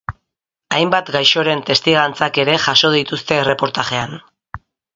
Hainbat gaixoren testigantzak ere jaso dituzte erreportajean.